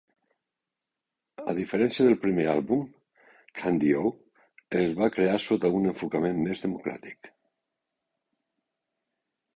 A diferència del primer àlbum, "Candy-O" es va crear sota un enfocament més democràtic.